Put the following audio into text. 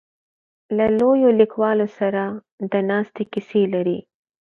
له لویو لیکوالو سره د ناستې کیسې لري.